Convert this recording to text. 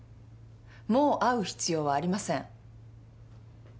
もう会う必要はありません。